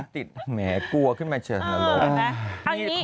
ติดแหมกลัวขึ้นมาเชิงละโต